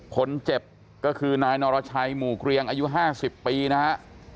คนเจ็บก็คือนายนรชัยหมู่เกรียงอายุ๕๐ปีนะฮะ